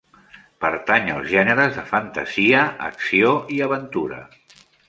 Pertany als gèneres de fantasia, acció i aventura.